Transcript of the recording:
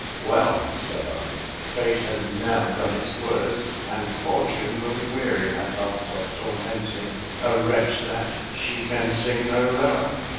"Well," said I, "Fate has now done its worst, and Fortune will be weary at last of tormenting a wretch that she can sink no lower!